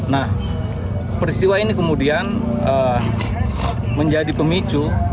nah peristiwa ini kemudian menjadi pemicu